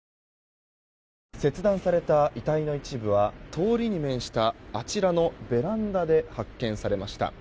切断された位置の一部は通りに面したあちらのベランダで発見されました。